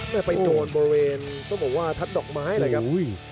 ไปโดนบริเวณต้องบอกว่าทัดดอกไม้เลยครับ